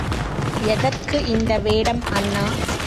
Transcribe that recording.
எதற்கு இந்த வேடம் அண்ணா?